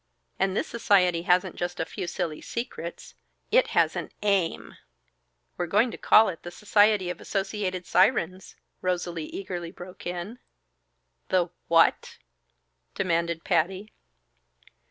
And this society hasn't just a few silly secrets; it has an aim." "We're going to call it the Society of Associated Sirens," Rosalie eagerly broke in. "That what?" demanded Patty.